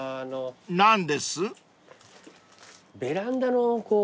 ［何です？］